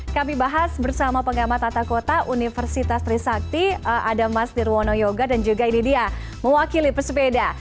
kami bahas bersama pengamat tata kota universitas trisakti ada mas nirwono yoga dan juga ini dia mewakili pesepeda